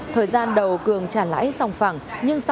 thời gian đầu cường trả lãi xong phẳng